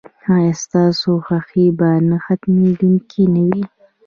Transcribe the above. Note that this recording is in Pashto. ایا ستاسو خوښي به نه ختمیدونکې نه وي؟